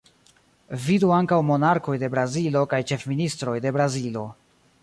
Vidu ankaŭ Monarkoj de Brazilo kaj Ĉefministroj de Brazilo.